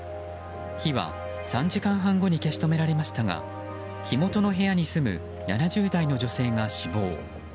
火は３時間半後に消し止められましたが火元の部屋に住む７０代の女性が死亡。